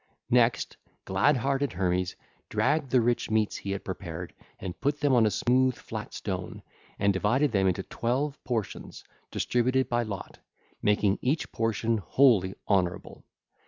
Next glad hearted Hermes dragged the rich meats he had prepared and put them on a smooth, flat stone, and divided them into twelve portions distributed by lot, making each portion wholly honourable.